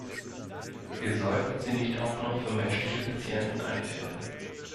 Wir sollten sie nicht auch noch für menschliche Patienten einführen.